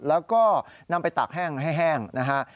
แล้วก็นำไปตากแห้งให้แห้งนะฮะ